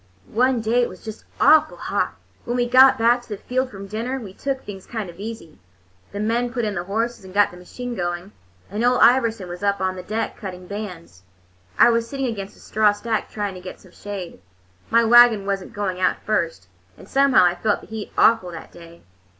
One day it was just awful hot. When we got back to the field from dinner, we took things kind of easy. The men put in the horses and got the machine going, and Ole Iverson was up on the deck, cutting bands. I was sitting against a straw stack, trying to get some shade. My wagon was n't going out first, and somehow I felt the heat awful that day.